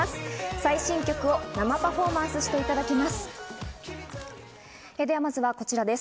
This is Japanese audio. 最新曲を生パフォーマンスしていただきます。